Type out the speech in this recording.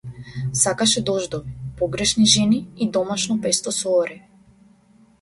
Сакаше дождови, погрешни жени и домашно песто со ореви.